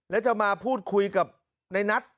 แล้วจะมาพูดคุยกับในนัท